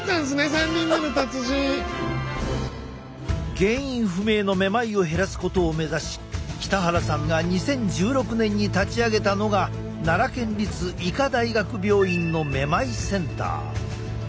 原因不明のめまいを減らすことを目指し北原さんが２０１６年に立ち上げたのが奈良県立医科大学病院のめまいセンター。